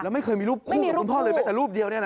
ไม่เคยมีรูปคู่กับคุณพ่อเลยแม้แต่รูปเดียวเนี่ยนะ